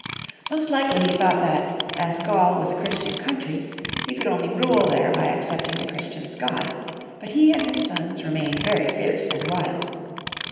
Most likely he thought that, as Gaul was a Chris tian country, he could only rule there by accepting the Christian's God ; but he and liis sons remained very fierce and wild.